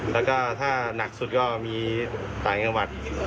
แล้วก็ถ้าหนักสุดก็มีต่างจังหวัด